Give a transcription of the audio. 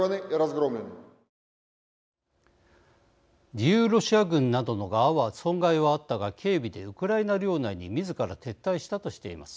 自由ロシア軍などの側は損害はあったが、軽微でウクライナ領内にみずから撤退したとしています。